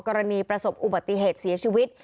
กรณีประสบอุบัติเหตุเสียชีวิต